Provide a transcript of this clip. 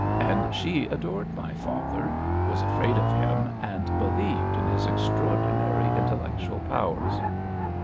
And she adored my father, was afraid of him, and believed in his extraordinary intellectual powers.